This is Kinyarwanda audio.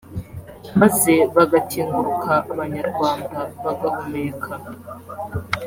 maze bagakinguruka abanyarwanda bagahumeka